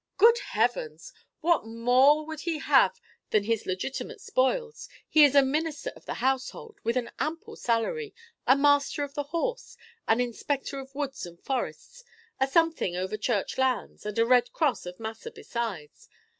"Good Heavens! what more would he have than his legitimate spoils? He is a Minister of the Household, with an ample salary; a Master of the Horse; an inspector of Woods and Forests; a something over Church lands; and a Red Cross of Massa besides.